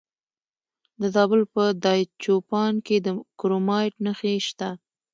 د زابل په دایچوپان کې د کرومایټ نښې شته.